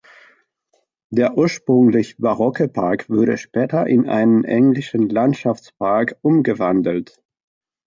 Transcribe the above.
Der ursprünglich barocke Park wurde später in einen englischen Landschaftspark umgewandelt.